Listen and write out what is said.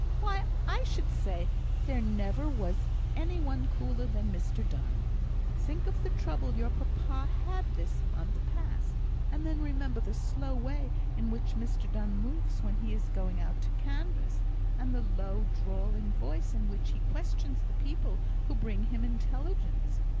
Why, I should say there never was any one cooler than Mr Donne. Think of the trouble your papa has had this month past, and then remember the slow way in which Mr Donne moves when he is going out to canvass, and the low, drawling voice in which he questions the people who bring him intelligence.